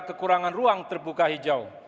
kekurangan ruang terbuka hijau